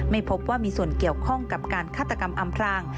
ไม่พบว่ามีส่วนเกี่ยวข้องกับการฆาตกรรมอำพราง